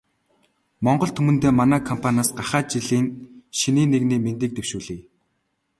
Монгол түмэндээ манай компаниас гахай жилийн шинийн нэгний мэндийг дэвшүүлье.